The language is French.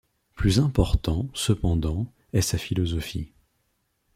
Plus important, cependant, est sa philosophie.